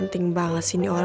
neng aku mau ke sana